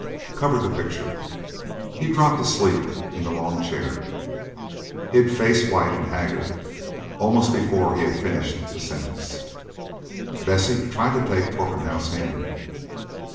Cover the picture." He dropped asleep in the long chair, hid face white and haggard, almost before he had finished the sentence. Bessie tried to take Torpenhow's hand.